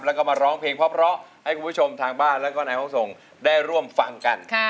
แล้วก็มาร้องเพลงเพราะให้คุณผู้ชมทางบ้านแล้วก็นายห้องส่งได้ร่วมฟังกัน